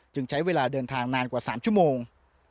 ใช้เวลาเดินทางนานกว่า๓ชั่วโมง